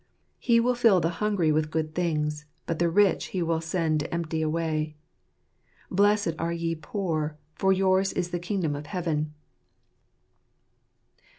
" He will fill the hungry with good things ; but the rich He will send empty away." " Blessed are ye poor, for yours is the kingdom of heaven."